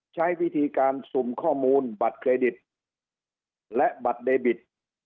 ใช้วิธีการสุ่มข้อมูลบัตรเครดิตและบัตรเดบิต